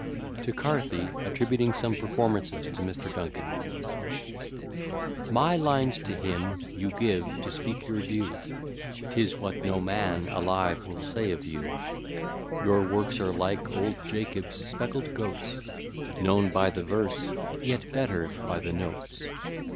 TO CARTHY, ATTRIBUTING SOME PERFORMANCES TO MR. DUNKIN From the Gentleman's London Magazine for January. My lines to him you give; to speak your due, 'Tis what no man alive will say of you. Your works are like old Jacob's speckled goats, Known by the verse, yet better by the notes.